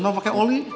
kalau pakai oli